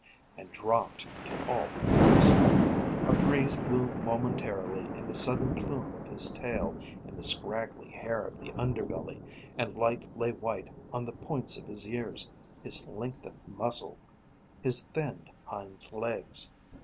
and dropped to all fours. A breeze blew momentarily in the sudden plume of his tail, in the scraggly hair of the under belly, and light lay white on the points of his ears, his lengthened muzzle, his thinned hind legs.